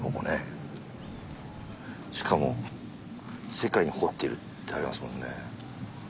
しかも「世界に誇ってる」ってありますもんね。